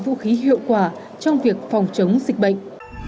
phòng chống dịch bệnh